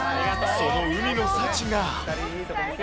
その海の幸が。